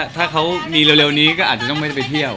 ถ้าเขามีเร็วนี้ก็อาจจะไม่ต้องไปเที่ยว